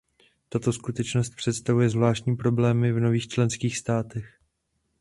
Tato skutečnost představuje zvláštní problémy v nových členských státech.